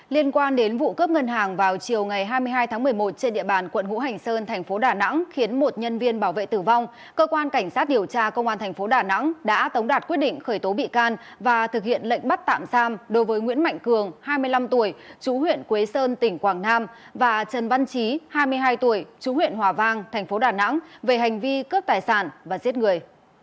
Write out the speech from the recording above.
liên quan đến vụ cướp ngân hàng vào chiều ngày hai mươi hai tháng một mươi một trên địa bàn quận hữu hành sơn thành phố đà nẵng khiến một nhân viên bảo vệ tử vong cơ quan cảnh sát điều tra công an thành phố đà nẵng đã tống đạt quyết định khởi tố bị can và thực hiện lệnh bắt tạm xam đối với nguyễn mạnh cường hai mươi năm tuổi chú huyện quế sơn tỉnh quảng nam và trần văn trí hai mươi hai tuổi chú huyện hòa vang thành phố đà nẵng về hành vi cướp tài sản và giết người